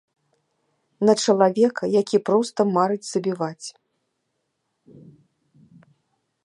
На чалавека, які проста марыць забіваць?